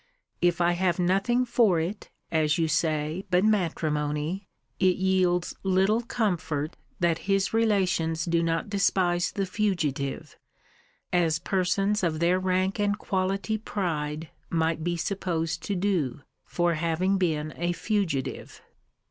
If I have nothing for it, as you say, but matrimony, it yields little comfort, that his relations do not despise the fugitive, as persons of their rank and quality pride might be supposed to do, for having been a fugitive.